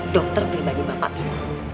dokter pribadi bapak pintar